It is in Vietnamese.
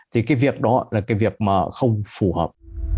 thì cái việc đó là cái việc mà không phù hợp